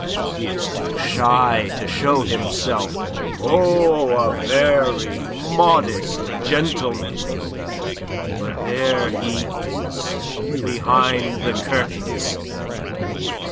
He is too shy to show himself oh, a very modest gentleman. But there he is behind the curtains.